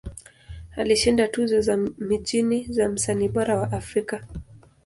Alishinda tuzo za mijini za Msanii Bora wa Afrika.